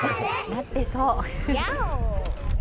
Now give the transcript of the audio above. なってそう。